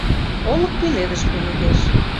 Олык пеледыш пеледеш.